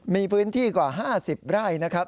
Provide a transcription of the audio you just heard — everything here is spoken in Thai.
มีพื้นที่กว่า๕๐ไร่นะครับ